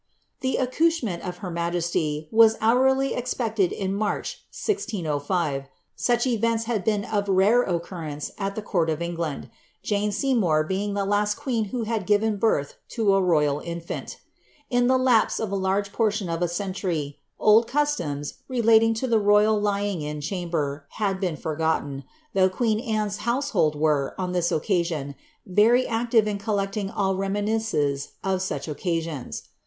The accouchement of her majesty, was hourly expected in March, 1005; such events had been of rare occurrence at the court of England, Jane Seymour being the last queen who had given birth to a royal infant In the lapse of a large portion of a century, old customs, re lating to the royal lying in chamber, had been forgotten, though queen Anne's household were, on this occasion, very active in collecting all reminiscences of such occasions.